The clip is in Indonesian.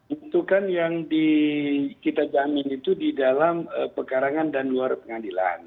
itu kan yang kita jamin itu di dalam pekarangan dan luar pengadilan